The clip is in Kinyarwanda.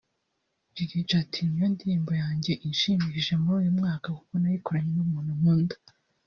Lil G ati “ Niyo ndirimbo yanjye inshimishije muri uyu mwaka kuko nayikoranye n’umuntu nkunda